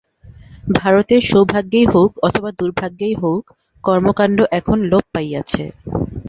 ভারতের সৌভাগ্যেই হউক অথবা দুর্ভাগ্যেই হউক, কর্মকাণ্ড এখন লোপ পাইয়াছে।